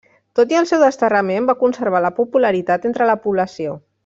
Tot i el seu desterrament va conservar la popularitat entre la població.